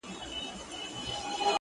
قېمتي جامي په غاړه سر تر پایه وو سِنکار,